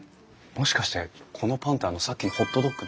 もしかしてこのパンってあのさっきのホットドッグの？